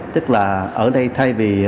tức là ở đây thay vì